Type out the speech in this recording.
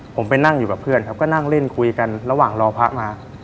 ผมไปนั่งอยู่กับเพื่อนครับก็นั่งเล่นคุยกันระหว่างรอพระมา